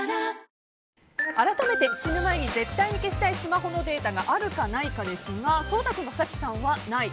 改めて死ぬ前に絶対に消したいスマホのデータがあるかないかですが颯太君と早紀さんは、ない。